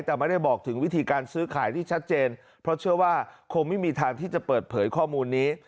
แต่ไม่ได้บอกถึงวิธีการซื้อขายที่ชัดเจนเพราะเชื่อว่าคงไม่มีทางที่จะเปิดเผยข้อมูลนี้